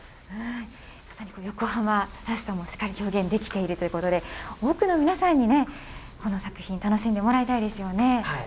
まさに横浜らしさもしっかり表現できているということで、多くの皆さんにこの作品、楽しんでもらいたいですよね。